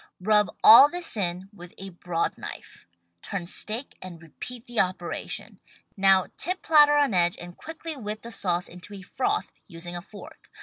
Rub all this in with a broad knife. Turn steak and repeat the operation. Now tip platter on edge and quickly whip the sauce into a froth, using a fork.